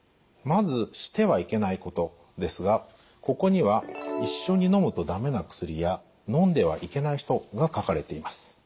まず「してはいけないこと」ですがここには一緒にのむとだめな薬やのんではいけない人が書かれています。